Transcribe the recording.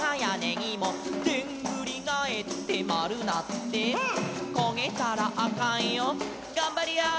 「でんぐりがえってまるなって」「こげたらあかんよがんばりやー」